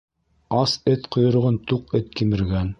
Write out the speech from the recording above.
Ас эт ҡойроғон туҡ эт кимергән.